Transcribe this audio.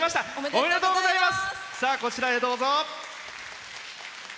おめでとうございます。